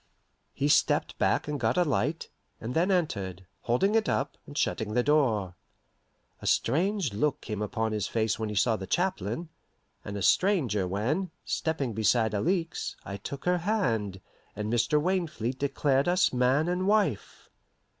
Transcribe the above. He stepped back and got a light, and then entered, holding it up, and shutting the door. A strange look came upon his face when he saw the chaplain, and a stranger when, stepping beside Alixe, I took her hand, and Mr. Wainfleet declared us man and wife.